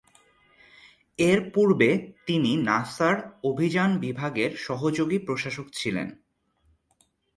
এর পূর্বে তিনি নাসার অভিযান বিভাগের সহযোগী প্রশাসক ছিলেন।